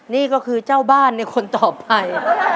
นี่ก็คือเจ้าบ้านในคนต่อไป